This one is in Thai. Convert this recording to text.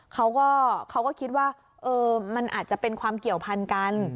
เขาก็เขาก็คิดว่ามันอาจจะเป็นความเกี่ยวพันกัน